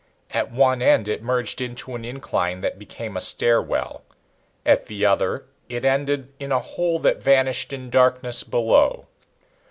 At one end it merged into an incline that became a stairwell. At the other it ended in a hole that vanished in darkness below.